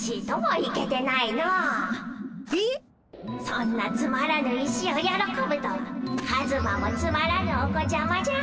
そんなつまらぬ石をよろこぶとはカズマもつまらぬお子ちゃまじゃ。